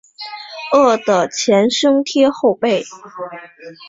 饿得前胸贴后背